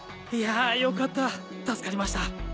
いやぁよかった助かりました。